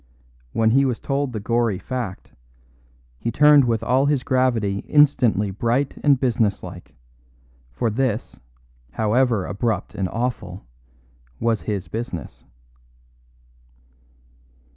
When he was told the gory fact, he turned with all his gravity instantly bright and businesslike; for this, however abrupt and awful, was his business.